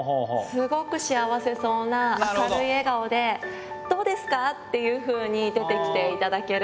すごく幸せそうな明るい笑顔で「どうですか」っていうふうに出てきていただけるので。